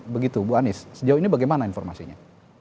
begitu bu anies sejauh ini bagaimana informasinya